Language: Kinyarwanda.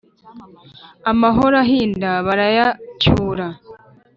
amahoro ahinda barayacyura